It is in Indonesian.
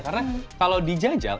karena kalau di jajal